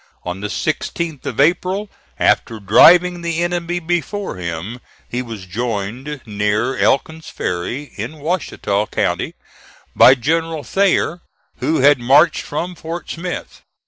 On the 16th of April, after driving the enemy before him, he was joined, near Elkin's Ferry, in Washita County, by General Thayer, who had marched from Fort Smith.